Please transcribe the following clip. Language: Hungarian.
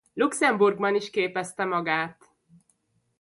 Luxemburgban is képezte magát.